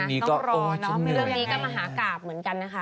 นี่ก็ไงนี้ก็มหากราบเหมือนกันนะคะ